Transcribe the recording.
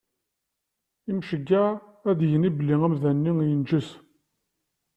Imceyyeɛ ad yini belli amdan-nni yenǧes.